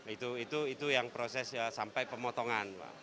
itu yang proses sampai pemotongan